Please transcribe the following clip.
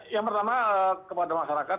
yang pertama kepada masyarakat